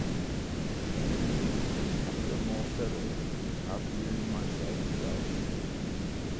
In many ways I feel more settled and happier in myself without it.